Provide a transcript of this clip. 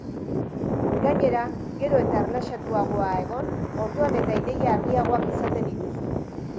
Gainera, gero eta erlaxatuagoa egon, orduan eta ideia argiagoak izaten dituzu.